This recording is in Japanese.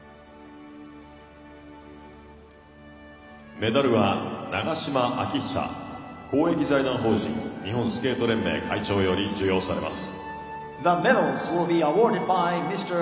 メダルは長島昭久公益財団法人日本スケート連盟会長より授与されます。